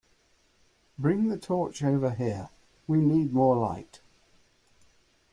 Bring the torch over here; we need more light